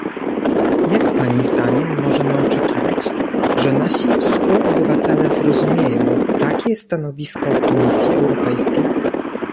Jak pani zdaniem możemy oczekiwać, że nasi współobywatele zrozumieją takie stanowisko Komisji Europejskiej?